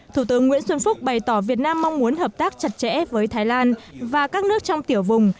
thủ tướng nguyễn xuân phúc bày tỏ việt nam mong muốn hợp tác chặt chẽ với thái lan và các nước trong tiểu vùng